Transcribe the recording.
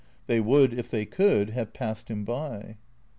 They would, if they could, have passed him by.